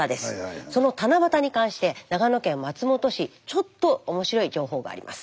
その七夕に関して長野県松本市ちょっと面白い情報があります。